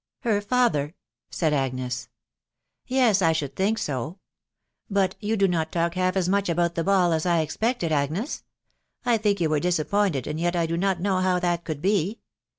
"' "Her .fcaher !" .said Agnes. —« Yes, I ihouM think so. But you vtlo mot talk half as much about Ihe bill as I ex pected, Agnes : I think you were disappointed, and yet lIiflo *not know how ."that eould be.